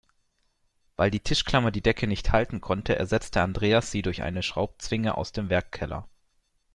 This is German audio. Weil die Tischklammer die Decke nicht halten konnte, ersetzte Andreas sie durch eine Schraubzwinge aus dem Werkkeller.